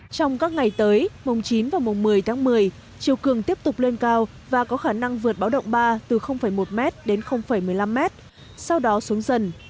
trong các ngày tới mùng chín và mùng một mươi tháng một mươi chiều cường tiếp tục lên cao và có khả năng vượt báo động ba từ một m đến một mươi năm m sau đó xuống dần